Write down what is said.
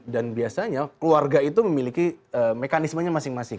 dan biasanya keluarga itu memiliki mekanismenya masing masing